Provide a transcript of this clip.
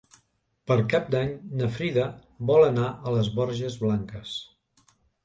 Per Cap d'Any na Frida vol anar a les Borges Blanques.